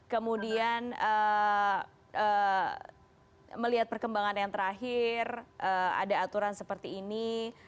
kemudian melihat perkembangan yang terakhir ada aturan seperti ini